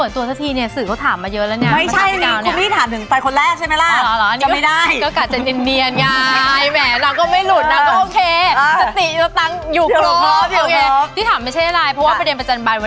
ทุกเรื่อง